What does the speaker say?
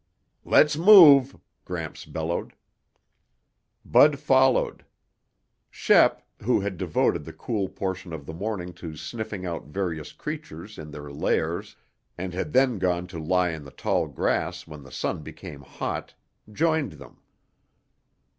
"Let's move!" Gramps bellowed. Bud followed. Shep, who had devoted the cool portion of the morning to sniffing out various creatures in their lairs and had then gone to lie in the tall grass when the sun became hot, joined them.